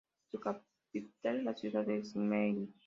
Su capital es la ciudad de Semily.